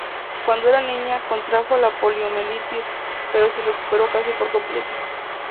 Cuando era niña, contrajo la poliomielitis, pero se recuperó casi por completo.